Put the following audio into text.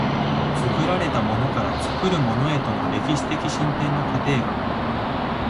作られたものから作るものへとの歴史的進展の過程が、